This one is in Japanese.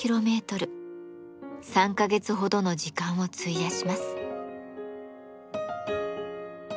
３か月ほどの時間を費やします。